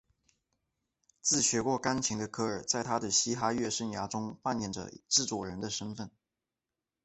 自学过钢琴的科尔在他的嘻哈乐生涯中扮演着制作人的身份。